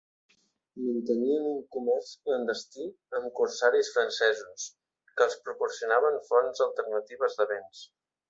Mantenien un comerç clandestí amb corsaris francesos, que els proporcionaven fonts alternatives de béns.